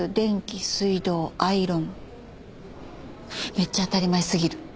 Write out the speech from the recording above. めっちゃ当たり前すぎる。